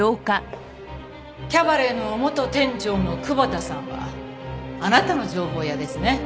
キャバレーの元店長の久保田さんはあなたの情報屋ですね。